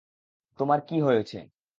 তোমার কী হয়েছে?